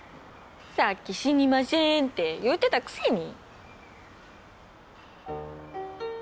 さっき「死にましぇん」って言ってたくせに。